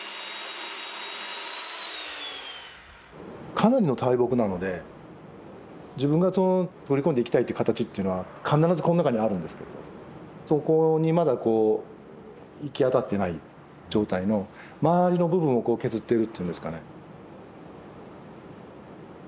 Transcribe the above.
かなりの大木なので自分が彫り込んでいきたいっていう形っていうのは必ずこんなかにあるんですけれどそこにまだこう行き当たってない状態の周りの部分をこう削ってるっていうんですかね。